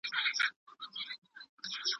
ولې ګلایکوجن ژر مصرفېږي؟